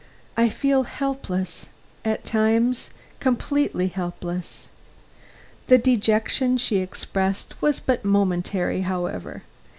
I feel helpless, at times, completely helpless." The dejection she expressed was but momentary, however.